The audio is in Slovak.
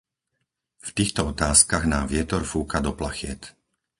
V týchto otázkach nám vietor fúka do plachiet.